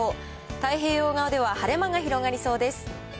太平洋側では晴れ間が広がりそうです。